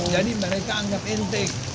jadi mereka anggap entek